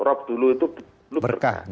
prof dulu itu dulu berkah